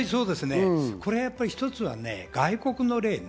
これは一つは外国の例ね。